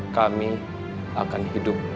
kami akan hidup